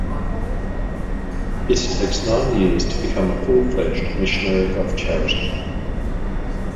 It takes nine years to become a full-fledged Missionary of Charity.